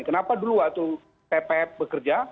kenapa dulu waktu tpf bekerja